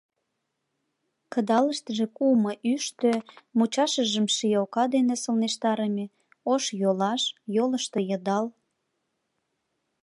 Кыдалыштыже куымо ӱштӧ, мучашыжым ший ока дене сылнештарыме, ош йолаш, йолышто йыдал.